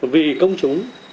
vì công chúng